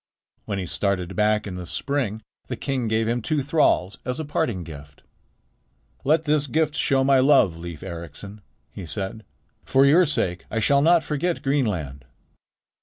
When he started back in the spring, the king gave him two thralls as a parting gift. "Let this gift show my love, Leif Ericsson," he said. "For your sake I shall not forget Greenland."